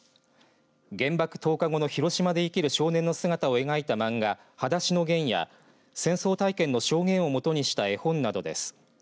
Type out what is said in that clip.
原爆投下後の広島で生きる少年の姿を描いた漫画はだしのゲンや戦争体験の証言をもとにした絵本などです。